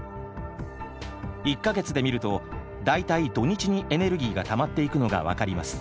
１か月で見ると大体土日にエネルギーがたまっていくのが分かります。